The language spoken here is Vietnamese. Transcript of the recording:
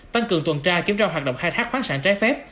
tăng cường tuần tra kiểm tra hoạt động khai thác khoáng sản trái phép